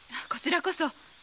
こちらこそ。